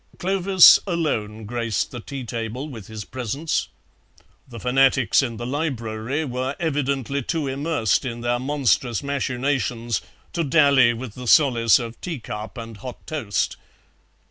Clovis alone graced the tea table with his presence; the fanatics in the library were evidently too immersed in their monstrous machinations to dally with the solace of teacup and hot toast.